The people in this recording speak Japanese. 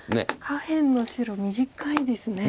下辺の白短いですね。